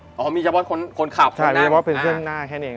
หัวเดี่ยวอ๋อมีเฉพาะคนคนขับใช่มีเฉพาะเป็นเครื่องหน้าแค่นี้เอง